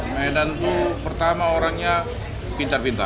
medan itu pertama orangnya pintar pintar